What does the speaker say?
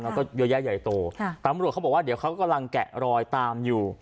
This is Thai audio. แล้วก็เยอะแยะใหญ่โตตำรวจเขาบอกว่าเดี๋ยวเขากำลังแกะรอยตามอยู่